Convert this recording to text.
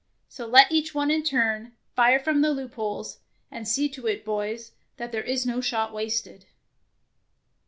So let each one in turn fire from the loopholes, and see to it, boys, that there is no shot wasted."